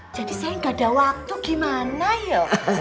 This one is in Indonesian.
jadi saya gak ada waktu gimana yuk